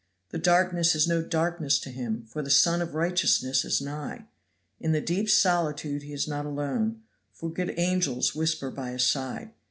The darkness is no darkness to him, for the Sun of righteousness is nigh. In the deep solitude he is not alone, for good angels whisper by his side.